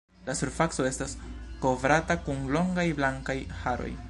La surfaco estas kovrata kun longaj blankaj haroj.